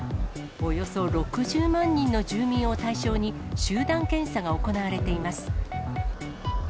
およそ６０万人の住民を対象に、集団検査が行われています。